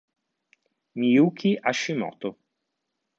Miyuki Hashimoto